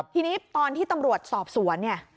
ทีนี้ตอนที่ตำรวจสอบสวนเนี่ย